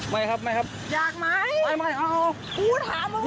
แม่แม่ใจว่าเป็นผู้ชาย